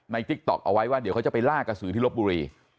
ติ๊กต๊อกเอาไว้ว่าเดี๋ยวเขาจะไปล่ากระสือที่ลบบุรี